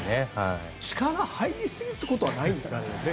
力入りすぎってことはないんですかね？